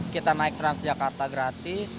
kita naik transjakarta gratis